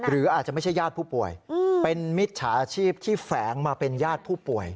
หรืออาจจะไม่ใช่ญาติผู้ป่วยเป็นมิจฉาชีพที่แฝงมาเป็นญาติผู้ป่วย